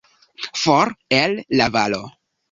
For, el la valo.